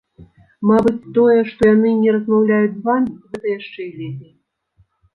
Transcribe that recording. Мабыць, тое, што яны не размаўляюць з вамі, гэта яшчэ і лепей.